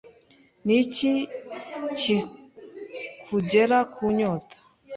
Ni iki kikugera ku nyota